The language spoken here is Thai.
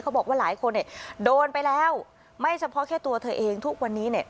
บอกว่าหลายคนเนี่ยโดนไปแล้วไม่เฉพาะแค่ตัวเธอเองทุกวันนี้เนี่ย